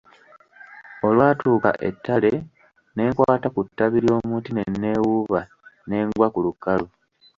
Olwatuuka ettale ne nkwata ku ttabi ly'omuti ne nneewuuba ne ngwa ku lukalu.